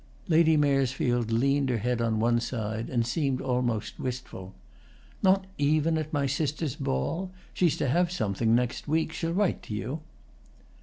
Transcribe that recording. Lady Maresfield leaned her head on one side and seemed almost wistful. "Not even at my sister's ball? She's to have something next week. She'll write to you."